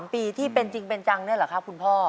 ๓ปีที่เป็นจริงเป็นจังเนี่ยเหรอครับคุณพ่อ